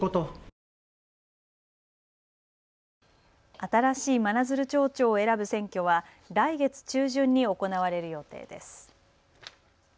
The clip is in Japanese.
新しい真鶴町長を選ぶ選挙は来月中旬に行われる予定です。